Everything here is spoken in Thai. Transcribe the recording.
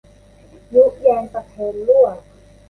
ยุแยงตะแคงรั่ว